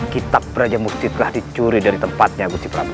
kitab beraja musti telah dicuri dari tempatnya guci prabu